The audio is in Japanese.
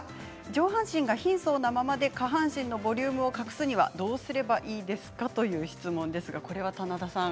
上半身が貧相なままで下半身のボリュームを隠すにはどうしたらいいですか？という質問です。